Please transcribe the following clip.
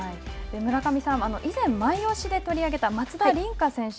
村上さん、以前マイオシで取り上げた松田凜日選手